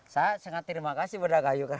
saya sangat terima kasih pada kayu